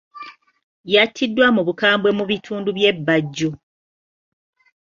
Yattiddwa mu bukambwe mu bitundu bye Bajjo.